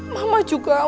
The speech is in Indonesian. mama juga udah nangis